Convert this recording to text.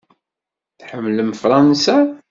Tḥemmlem Fṛansa?